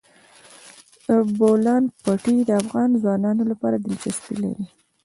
د بولان پټي د افغان ځوانانو لپاره دلچسپي لري.